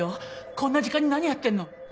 こんな時間に何やってんの？